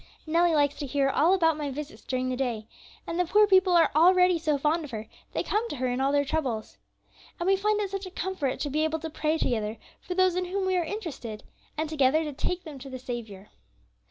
Nellie likes to hear about all my visits during the day, and the poor people are already so fond of her they come to her in all their troubles. And we find it such a comfort to be able to pray together for those in whom we are interested, and together to take them to the Saviour.